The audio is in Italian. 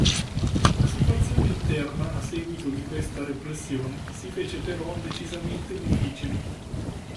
La situazione interna, a seguito di questa repressione, si fece però decisamente difficile.